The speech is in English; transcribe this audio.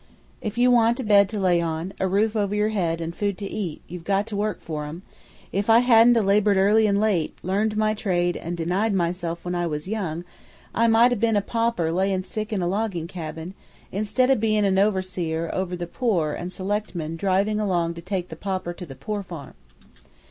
"If you want a bed to lay on, a roof over your head, an' food to eat, you've got to work for em. If I hadn't a' labored early an' late, learned my trade, an' denied myself when I was young, I might a' be'n a pauper layin' sick in a loggin' cabin, stead o' bein' an overseer o' the poor an' selectman drivin' along to take the pauper to the poor farm."